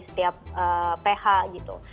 jadi setiap ph gitu